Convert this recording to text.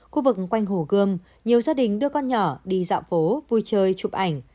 khu vực quanh hồ gươm nhiều gia đình đưa con nhỏ đi dạo phố vui chơi chụp ảnh